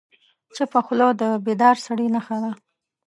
چپه خوله، د بیدار سړي نښه ده.